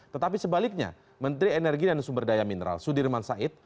tetapi sebaliknya menteri energi dan sumberdaya mineral sudirman said